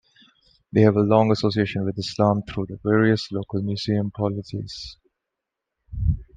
They have a long association with Islam through the various local Muslim polities.